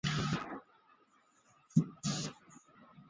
而火山渣锥本身也因为构造太为松散而无法支撑剧烈的喷发。